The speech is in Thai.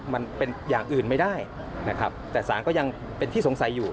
มันเป็นอย่างอื่นไม่ได้นะครับแต่สารก็ยังเป็นที่สงสัยอยู่